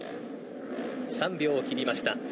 ３秒を切りました。